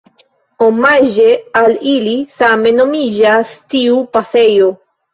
Omaĝe al ili same nomiĝas tiu pasejo.